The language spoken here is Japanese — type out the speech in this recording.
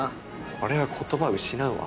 これは言葉失うわ。